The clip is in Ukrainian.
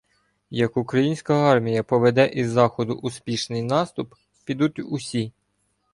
Як українська армія поведе із заходу успішний наступ, підуть усі.